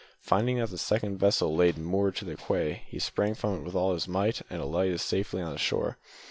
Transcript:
Finding that the second vessel lay moored to the quay, he sprang from it with all his might and alighted safely on the shore.